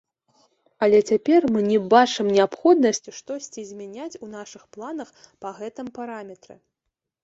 Але цяпер мы не бачым неабходнасці штосьці змяняць у нашых планах па гэтым параметры.